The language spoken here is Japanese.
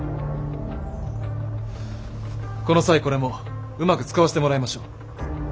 この際これもうまく使わせてもらいましょう。